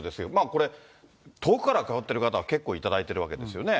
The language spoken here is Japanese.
これ、遠くから通ってる方はけっこう頂いてるわけですよね。